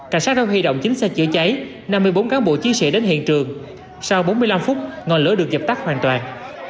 cảnh sát đã huy động chín xe chữa cháy năm mươi bốn cán bộ chiến sĩ đến hiện trường sau bốn mươi năm phút ngọn lửa được dập tắt hoàn toàn